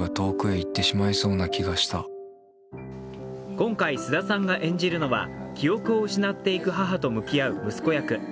今回、菅田さんが演じるのは記憶を失っていく母と向き合う息子役。